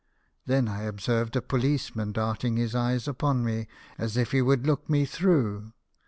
Then I ob served a policeman darting his eyes upon me, as if he would look me through.